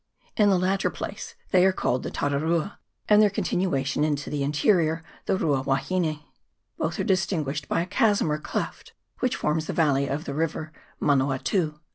In the latter place they are called the Tararua, and their continuation into the interior the Rua wahine. Both are distinguished by a chasm or cleft, which forms the valley of the river Manawatu. CHAP. VI.] COOK'S STRAITS.